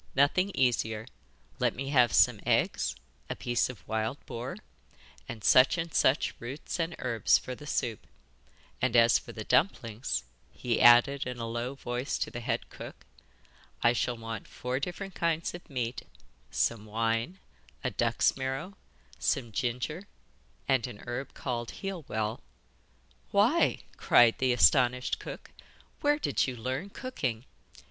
'Nothing easier. Let me have some eggs, a piece of wild boar, and such and such roots and herbs for the soup; and as for the dumplings,' he added in a low voice to the head cook, 'I shall want four different kinds of meat, some wine, a duck's marrow, some ginger, and a herb called heal well.' 'Why,' cried the astonished cook, 'where did you learn cooking?